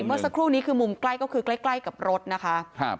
เมื่อสักครู่นี้คือมุมใกล้ก็คือใกล้ใกล้กับรถนะคะครับ